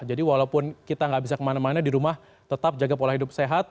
jadi walaupun kita gak bisa kemana mana di rumah tetap jaga pola hidup sehat